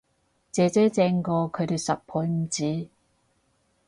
姐姐正過佢哋十倍唔止